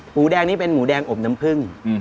หมูแดงนี่เป็นหมูแดงอบน้ำพึ่ง